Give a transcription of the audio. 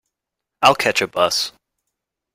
I'll catch a bus.